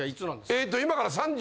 えっと今から